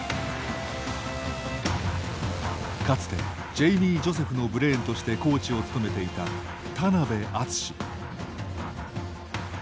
かつてジェイミー・ジョセフのブレーンとしてコーチを務めていた田邉淳。